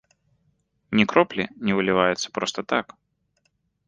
Ні кроплі не выліваецца проста так.